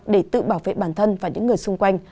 để tự bảo vệ bản thân và những người xung quanh